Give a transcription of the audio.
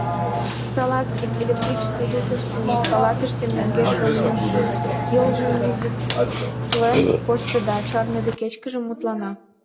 Салазкин, электричество душ ыштымек, палатыште мӧҥгеш-оньыш йолжым нюзыклен коштеда, чарныде кечкыжын мутлана: